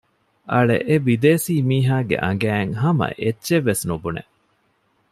އަޅެ އެބިދޭސީ މިހާގެ އަނގައިން ހަމައެއްޗެއްވެސް ނުބުނެ